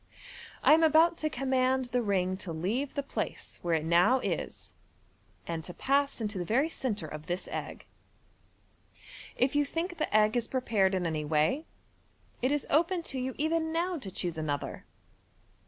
I am about to command the ring to leave the place where it now is, and to pass into the very centre of this egg. If you think the egg is prepared in any way, it is open to you even now to choose another.